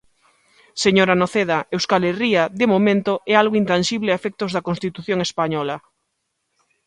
Señora Noceda, Euskal Herría, de momento, é algo intanxible a efectos da Constitución española.